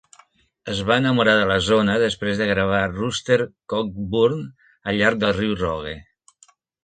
Es va enamorar de la zona després de gravar "Rooster Cogburn" al llarg del riu Rogue.